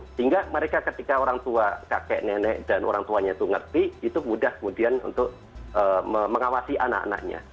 sehingga mereka ketika orang tua kakek nenek dan orang tuanya itu ngerti itu mudah kemudian untuk mengawasi anak anaknya